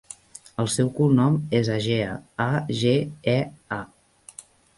El seu cognom és Agea: a, ge, e, a.